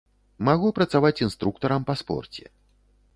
Магу працаваць інструктарам па спорце.